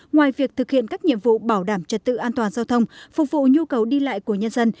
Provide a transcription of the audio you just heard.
ngoài việc thực hiện các nhiệm vụ bảo đảm trật tự an toàn giao thông phục vụ nhu cầu đi lại của nhân dân